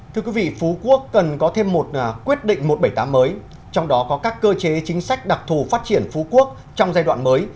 thưa quý vị phú quốc cần có thêm một quyết định một trăm bảy mươi tám mới trong đó có các cơ chế chính sách đặc thù phát triển phú quốc trong giai đoạn mới